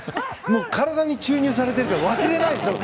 体に注入されているから忘れないですよ！